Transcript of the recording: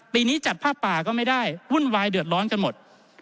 ปีนี้จัดผ้าป่าก็ไม่ได้วุ่นวายเดือดร้อนกันหมด